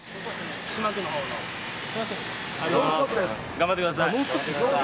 頑張ってください。